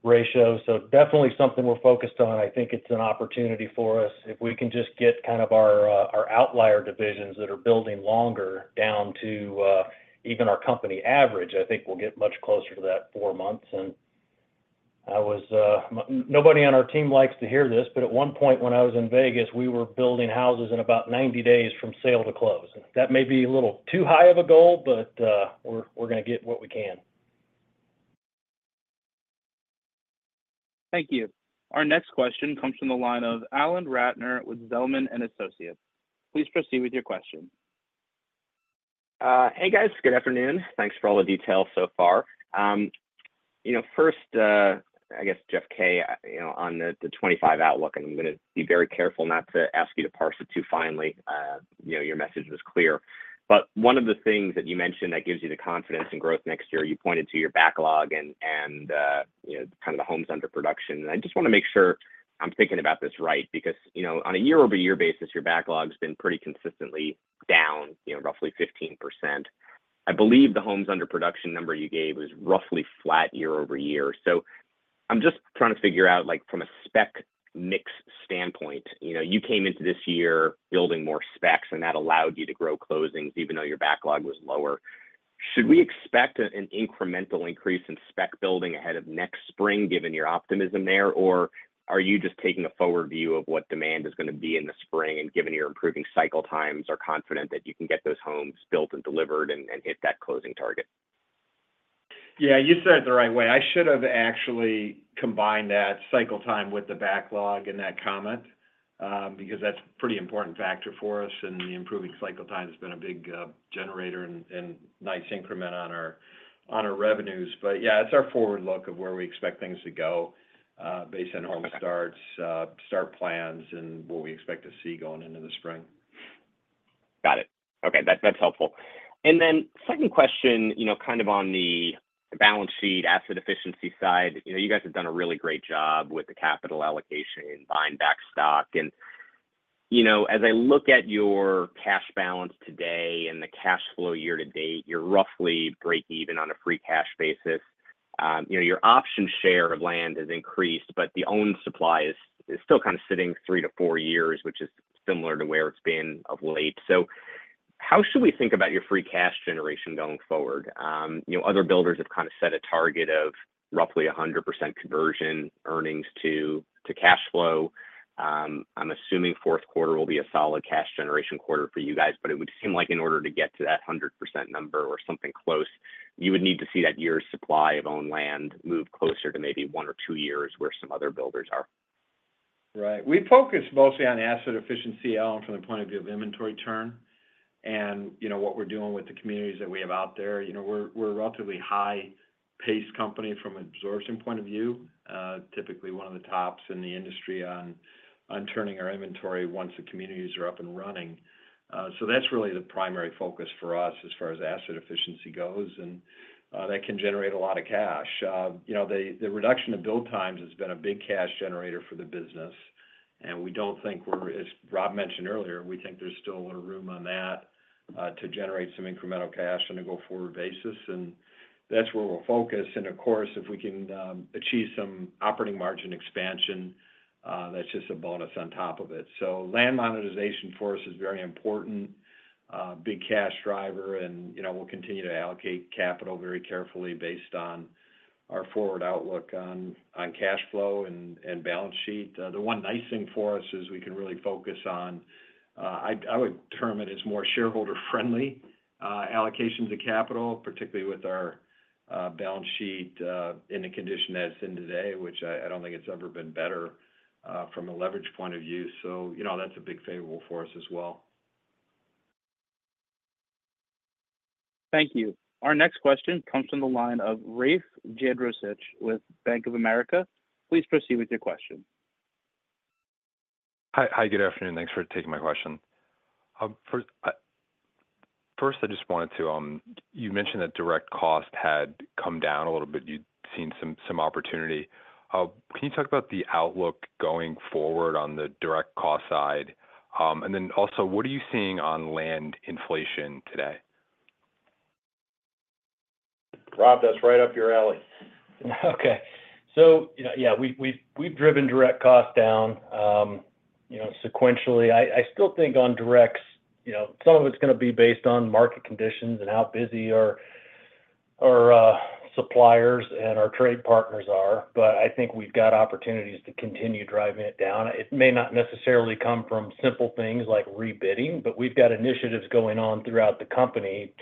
ratio. So definitely something we're focused on. I think it's an opportunity for us. If we can just get kind of our outlier divisions that are building longer down to, even our company average, I think we'll get much closer to that four months, and I was, nobody on our team likes to hear this, but at one point, when I was in Vegas, we were building houses in about ninety days from sale to close. That may be a little too high of a goal, but, we're gonna get what we can.
Thank you. Our next question comes from the line of Alan Ratner with Zelman & Associates. Please proceed with your question.
Hey, guys. Good afternoon. Thanks for all the details so far. You know, first, I guess, Jeff K, you know, on the 2025 outlook, and I'm gonna be very careful not to ask you to parse it too finely, you know, your message was clear. But one of the things that you mentioned that gives you the confidence in growth next year, you pointed to your backlog and you know kind of the homes under production. And I just wanna make sure I'm thinking about this right, because, you know, on a year-over-year basis, your backlog's been pretty consistently down, you know, roughly 15%. I believe the homes under production number you gave was roughly flat year-over-year. So I'm just trying to figure out, like, from a spec mix standpoint, you know, you came into this year building more specs, and that allowed you to grow closings, even though your backlog was lower. Should we expect an incremental increase in spec building ahead of next spring, given your optimism there? Or are you just taking a forward view of what demand is gonna be in the spring, and given your improving cycle times, are confident that you can get those homes built and delivered and hit that closing target?
Yeah, you said it the right way. I should have actually combined that cycle time with the backlog in that comment, because that's a pretty important factor for us, and the improving cycle time has been a big generator and nice increment on our revenues. But yeah, it's our forward look of where we expect things to go, based on home starts, start plans, and what we expect to see going into the spring.
Got it. Okay, that, that's helpful. And then second question, you know, kind of on the balance sheet, asset efficiency side. You know, you guys have done a really great job with the capital allocation and buying back stock. And, you know, as I look at your cash balance today and the cash flow year to date, you're roughly breakeven on a free cash basis. You know, your option share of land has increased, but the owned supply is still kind of sitting three to four years, which is similar to where it's been of late. So how should we think about your free cash generation going forward? You know, other builders have kind of set a target of roughly 100% conversion earnings to cash flow. I'm assuming fourth quarter will be a solid cash generation quarter for you guys, but it would seem like in order to get to that 100% number or something close, you would need to see that year's supply of owned land move closer to maybe one or two years, where some other builders are.
Right. We focus mostly on asset efficiency, Alan, from the point of view of inventory turn and, you know, what we're doing with the communities that we have out there. You know, we're a relatively high-paced company from an absorption point of view, typically one of the tops in the industry on turning our inventory once the communities are up and running. So that's really the primary focus for us as far as asset efficiency goes, and that can generate a lot of cash. You know, the reduction of build times has been a big cash generator for the business, and we don't think we're... As Rob mentioned earlier, we think there's still a little room on that to generate some incremental cash on a go-forward basis, and that's where we'll focus. Of course, if we can achieve some operating margin expansion, that's just a bonus on top of it. So land monetization for us is very important, big cash driver and, you know, we'll continue to allocate capital very carefully based on our forward outlook on cash flow and balance sheet. The one nice thing for us is we can really focus on, I would term it as more shareholder-friendly allocations of capital, particularly with our balance sheet in the condition that it's in today, which I don't think it's ever been better, from a leverage point of view. So, you know, that's a big favorable for us as well.
Thank you. Our next question comes from the line of Rafe Jadrosich with Bank of America. Please proceed with your question.
Hi. Hi, good afternoon. Thanks for taking my question. First, I just wanted to. You mentioned that direct cost had come down a little bit, you'd seen some opportunity. Can you talk about the outlook going forward on the direct cost side? And then also, what are you seeing on land inflation today?
Rob, that's right up your alley.
Okay. So you know, yeah, we've driven direct costs down, you know, sequentially. I still think on directs, you know, some of it's gonna be based on market conditions and how busy our suppliers and our trade partners are, but I think we've got opportunities to continue driving it down. It may not necessarily come from simple things like rebidding, but we've got initiatives going on throughout the company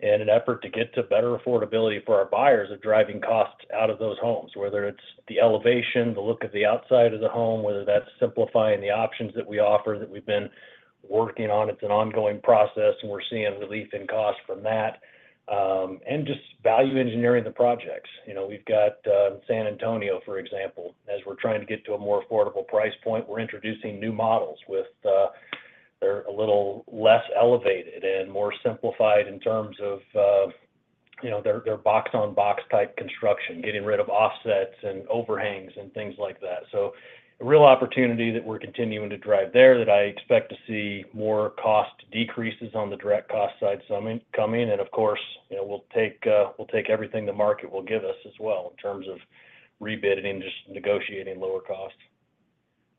in an effort to get to better affordability for our buyers of driving costs out of those homes, whether it's the elevation, the look of the outside of the home, whether that's simplifying the options that we offer that we've been working on. It's an ongoing process, and we're seeing relief in cost from that. And just value engineering the projects. You know, we've got San Antonio, for example, as we're trying to get to a more affordable price point, we're introducing new models with they're a little less elevated and more simplified in terms of you know, they're box-on-box type construction, getting rid of offsets and overhangs and things like that. So a real opportunity that we're continuing to drive there, that I expect to see more cost decreases on the direct cost side coming. And of course, you know, we'll take everything the market will give us as well in terms of rebidding and just negotiating lower costs.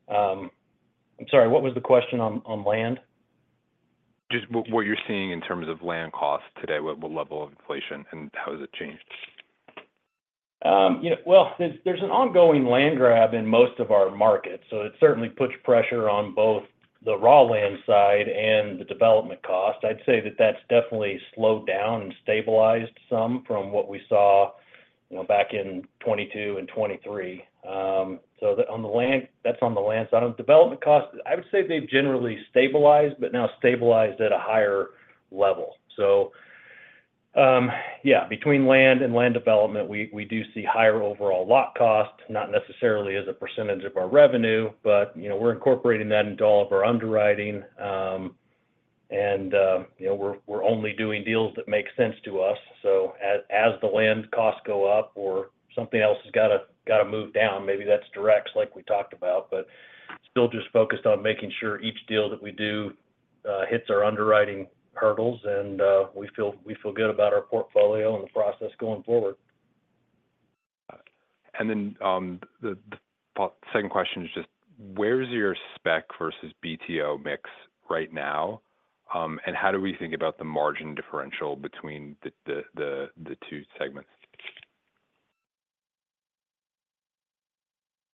I'm sorry, what was the question on land?
Just what you're seeing in terms of land costs today, what level of inflation, and how has it changed?
Yeah, well, there's an ongoing land grab in most of our markets, so it certainly puts pressure on both the raw land side and the development cost. I'd say that that's definitely slowed down and stabilized some from what we saw, you know, back in 2022 and 2023. So, on the land side. On development costs, I would say they've generally stabilized, but now stabilized at a higher level. So, yeah, between land and land development, we do see higher overall lot costs, not necessarily as a percentage of our revenue, but, you know, we're incorporating that into all of our underwriting. And, you know, we're only doing deals that make sense to us. As the land costs go up or something else has gotta move down, maybe that's direct costs like we talked about, but still just focused on making sure each deal that we do hits our underwriting hurdles, and we feel good about our portfolio and the process going forward.
And then, the second question is just: where is your spec versus BTO mix right now, and how do we think about the margin differential between the two segments?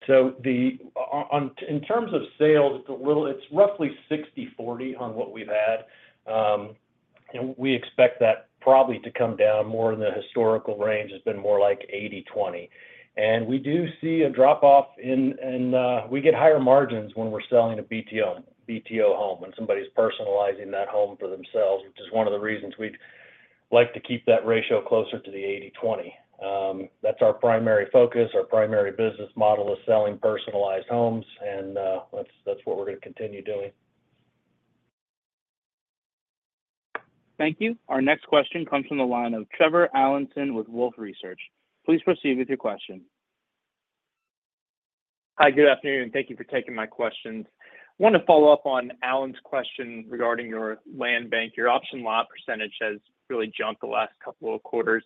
In terms of sales, it's roughly 60/40 on what we've had. And we expect that probably to come down more in the historical range. It's been more like 80/20. And we do see a drop-off. We get higher margins when we're selling a BTO home, when somebody's personalizing that home for themselves, which is one of the reasons we'd like to keep that ratio closer to the 80/20. That's our primary focus. Our primary business model is selling personalized homes, and that's what we're going to continue doing.
Thank you. Our next question comes from the line of Trevor Allinson with Wolfe Research. Please proceed with your question.
Hi, good afternoon, and thank you for taking my questions. I wanted to follow up on Alan's question regarding your land bank. Your option lot percentage has really jumped the last couple of quarters.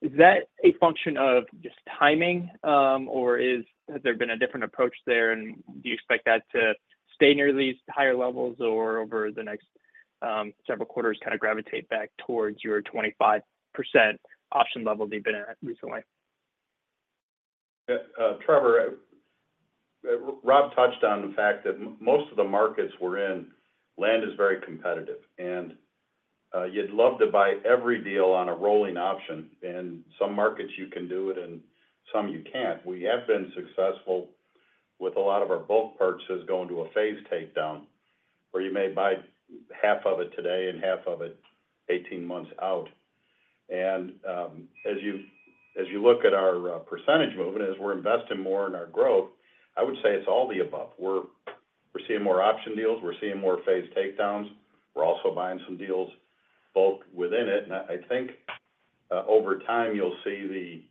Is that a function of just timing, or has there been a different approach there, and do you expect that to stay near these higher levels or over the next several quarters, kind of gravitate back towards your 25% option level that you've been at recently?
Yeah, Trevor, Rob touched on the fact that most of the markets we're in, land is very competitive, and you'd love to buy every deal on a rolling option. In some markets, you can do it, and some you can't. We have been successful with a lot of our bulk purchases going to a phase takedown, where you may buy half of it today and half of it 18 months out. And, as you look at our percentage movement, as we're investing more in our growth, I would say it's all the above. We're seeing more option deals. We're seeing more phase takedowns. We're also buying some deals bulk within it. And I think, over time, you'll see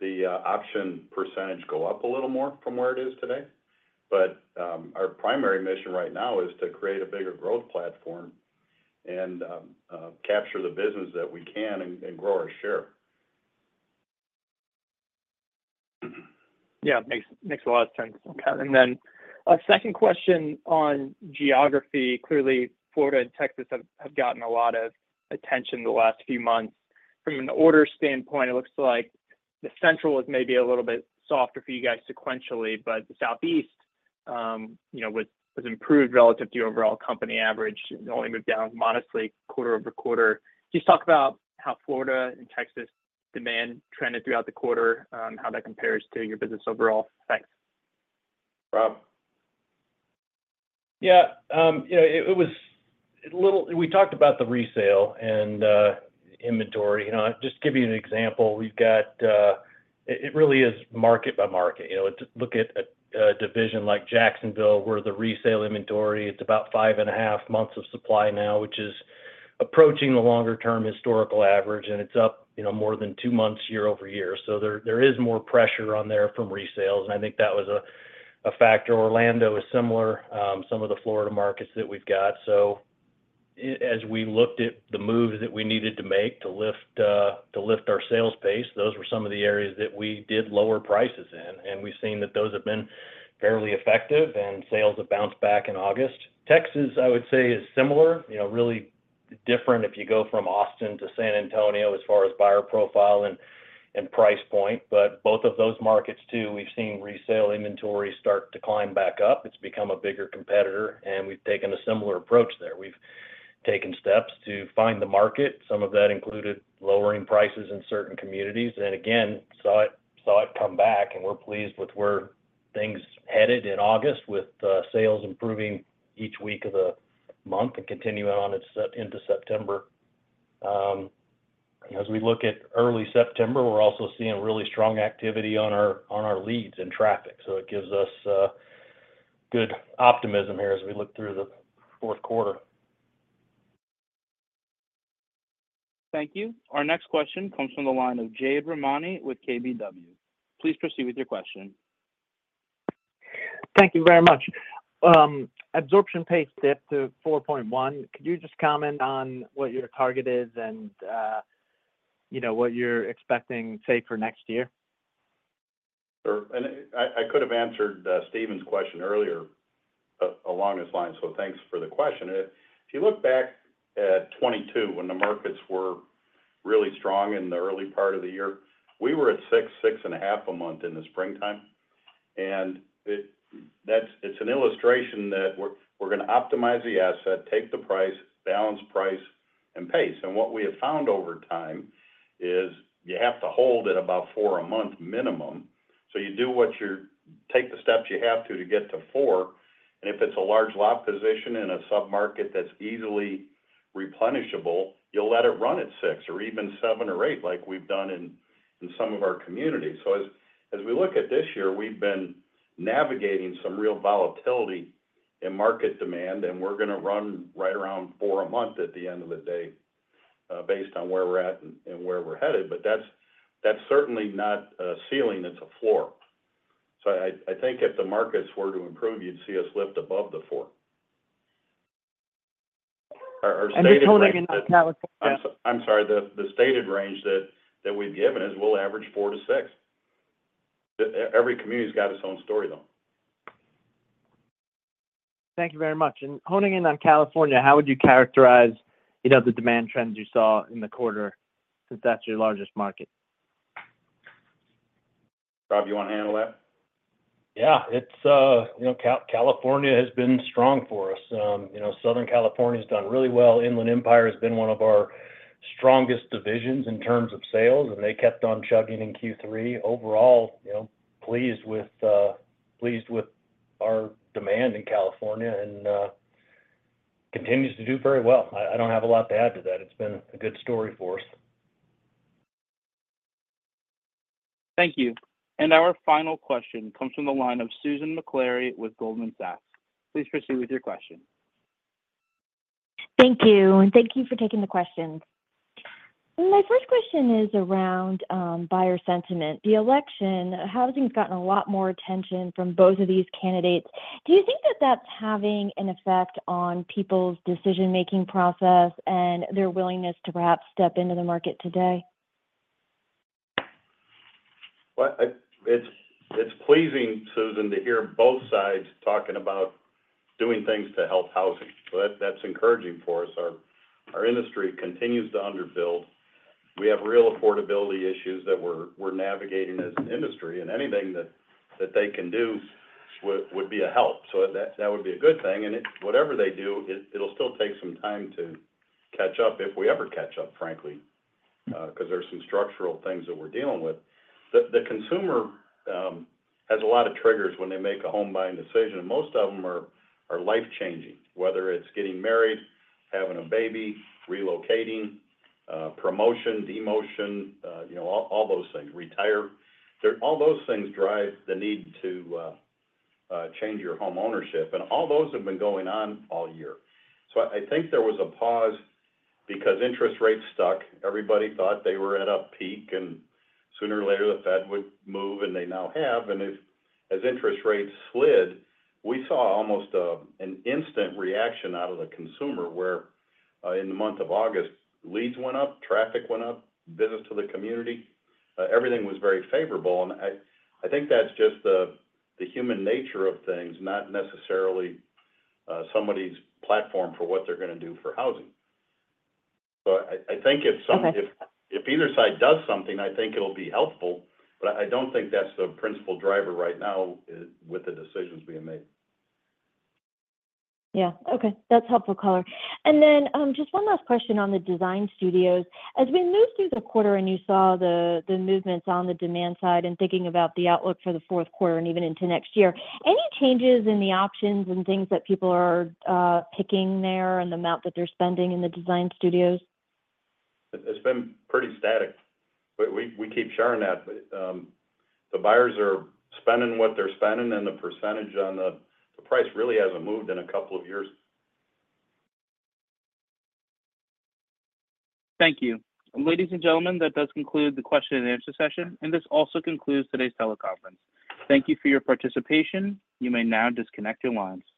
the option percentage go up a little more from where it is today. But, our primary mission right now is to create a bigger growth platform and capture the business that we can and grow our share.
Yeah, makes a lot of sense. Okay. And then, second question on geography. Clearly, Florida and Texas have gotten a lot of attention the last few months. From an order standpoint, it looks like the Central is maybe a little bit softer for you guys sequentially, but the Southeast, you know, was improved relative to your overall company average. It only moved down modestly quarter over quarter. Can you just talk about how Florida and Texas demand trended throughout the quarter, and how that compares to your business overall? Thanks.
Rob?
Yeah, you know, it was a little... We talked about the resale and inventory. You know, just to give you an example, we've got... It really is market by market. You know, just look at a division like Jacksonville, where the resale inventory, it's about five and a half months of supply now, which is approaching the longer-term historical average, and it's up, you know, more than two months year-over-year. So there is more pressure on there from resales, and I think that was a factor. Orlando is similar, some of the Florida markets that we've got. So as we looked at the moves that we needed to make to lift our sales pace, those were some of the areas that we did lower prices in, and we've seen that those have been fairly effective, and sales have bounced back in August. Texas, I would say, is similar. You know, really different if you go from Austin to San Antonio as far as buyer profile and price point, but both of those markets too, we've seen resale inventory start to climb back up. It's become a bigger competitor, and we've taken a similar approach there. We've taken steps to find the market. Some of that included lowering prices in certain communities, and again, saw it come back, and we're pleased with where things headed in August, with sales improving each week of the month and continuing into September. As we look at early September, we're also seeing really strong activity on our leads and traffic, so it gives us good optimism here as we look through the fourth quarter.
Thank you. Our next question comes from the line of Jay McCanless with Wedbush. Please proceed with your question.
Thank you very much. Absorption pace dipped to four point one. Could you just comment on what your target is and,... you know, what you're expecting, say, for next year?
Sure. And I could have answered Stephen's question earlier along these lines, so thanks for the question. If you look back at 2022, when the markets were really strong in the early part of the year, we were at six, six and a half a month in the springtime. And that's an illustration that we're gonna optimize the asset, take the price, balance price, and pace. And what we have found over time is you have to hold at about four a month minimum. So you take the steps you have to to get to four, and if it's a large lot position in a sub-market that's easily replenishable, you'll let it run at six or even seven or eight, like we've done in some of our communities. So, as we look at this year, we've been navigating some real volatility in market demand, and we're gonna run right around four a month at the end of the day, based on where we're at and where we're headed. But that's certainly not a ceiling, it's a floor. So I think if the markets were to improve, you'd see us lift above the four. Our stated range-
And then honing in on California.
I'm sorry. The stated range that we've given is we'll average four to six. Every community's got its own story, though.
Thank you very much. And honing in on California, how would you characterize, you know, the demand trends you saw in the quarter, since that's your largest market?
Rob, you want to handle that?
Yeah. It's, you know, California has been strong for us. You know, Southern California's done really well. Inland Empire has been one of our strongest divisions in terms of sales, and they kept on chugging in Q3. Overall, you know, pleased with our demand in California, and continues to do very well. I don't have a lot to add to that. It's been a good story for us.
Thank you. And our final question comes from the line of Susan Maklari with Goldman Sachs. Please proceed with your question.
Thank you, and thank you for taking the questions. My first question is around buyer sentiment. The election, housing's gotten a lot more attention from both of these candidates. Do you think that that's having an effect on people's decision-making process and their willingness to perhaps step into the market today?
Well, it's pleasing, Susan, to hear both sides talking about doing things to help housing. So that's encouraging for us. Our industry continues to underbuild. We have real affordability issues that we're navigating as an industry, and anything that they can do would be a help. So that would be a good thing, and whatever they do, it'll still take some time to catch up, if we ever catch up, frankly, because there are some structural things that we're dealing with. The consumer has a lot of triggers when they make a home buying decision, and most of them are life-changing. Whether it's getting married, having a baby, relocating, promotion, demotion, you know, all those things. Retire. All those things drive the need to change your home ownership, and all those have been going on all year. So I think there was a pause because interest rates stuck. Everybody thought they were at a peak, and sooner or later, the Fed would move, and they now have. And as interest rates slid, we saw almost an instant reaction out of the consumer, where in the month of August, leads went up, traffic went up, visits to the community, everything was very favorable. And I think that's just the human nature of things, not necessarily somebody's platform for what they're gonna do for housing. So I think if some-
Okay...
if either side does something, I think it'll be helpful, but I don't think that's the principal driver right now with the decisions being made.
Yeah. Okay, that's helpful color. And then, just one last question on the Design Studios. As we move through the quarter and you saw the movements on the demand side and thinking about the outlook for the fourth quarter and even into next year, any changes in the options and things that people are picking there and the amount that they're spending in the Design Studios?
It's been pretty static, but we keep sharing that. But, the buyers are spending what they're spending, and the percentage on the price really hasn't moved in a couple of years.
Thank you. Ladies and gentlemen, that does conclude the question and answer session, and this also concludes today's teleconference. Thank you for your participation. You may now disconnect your lines.